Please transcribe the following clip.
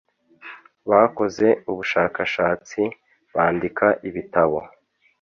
bakoze ubushakatsatsi, bandika ibitabo